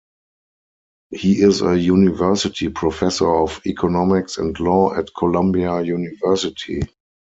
He is a University Professor of economics and law at Columbia University.